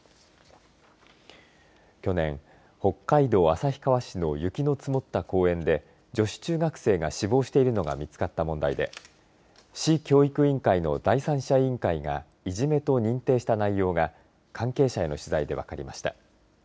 去年、北海道旭川市の雪の積もった公園で女子中学生が死亡しているのが見つかった問題で市教育委員会の第三者委員会がいじめと認定した内容が関係者への取材で分かりました。